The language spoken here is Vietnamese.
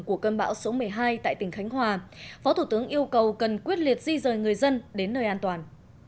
của cơn bão số một mươi hai tại tỉnh khánh hòa phó thủ tướng yêu cầu cần quyết liệt di rời người dân đến nơi an toàn